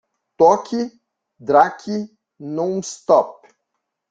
Toque Drake Nonstop.